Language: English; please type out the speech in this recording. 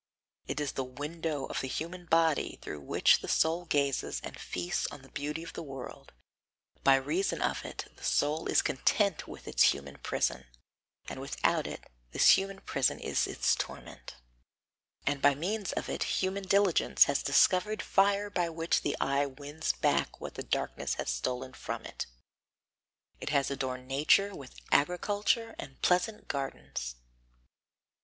It is the window of the human body, through which the soul gazes and feasts on the beauty of the world; by reason of it the soul is content with its human prison, and without it this human prison is its torment; and by means of it human diligence has discovered fire by which the eye wins back what the darkness has stolen from it. It has adorned nature with agriculture and pleasant gardens.